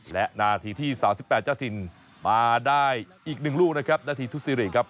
และนาทีที่๓๘เจ้าถิ่นมาได้อีก๑ลูกนะครับนาทีทุซิริครับ